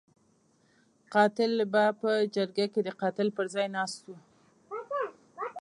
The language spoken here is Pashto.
قاتل به په جرګه کې د قاتل پر ځای ناست وو.